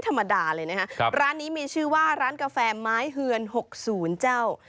ร้านนี้มีชื่อว่าร้านกาแฟหมายเฮือเรน๖๐เจ้า